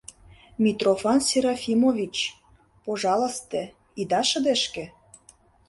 — Митрофан Серафимович, пожалысте, ида шыдешке.